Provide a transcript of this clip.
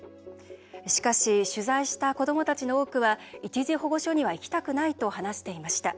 しかし取材した子どもたちの多くは一時保護所には行きたくないと話していました。